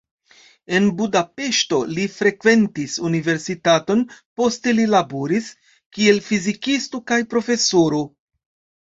En Budapeŝto li frekventis universitaton, poste li laboris, kiel fizikisto kaj profesoro.